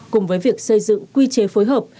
cùng với việc xây dựng quy chế phối hợp